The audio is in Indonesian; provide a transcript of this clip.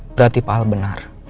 berarti pak al benar